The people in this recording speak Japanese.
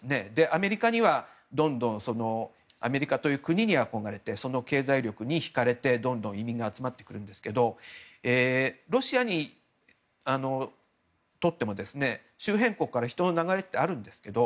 アメリカには、どんどんアメリカという国に憧れてその経済力にひかれてどんどん移民が集まってくるんですがロシアにとっても周辺国からの人の流れってあるんですけど